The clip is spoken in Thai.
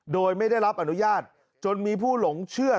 โดยไม่ได้รับอนุญาตจนมีผู้หลงเชื่อ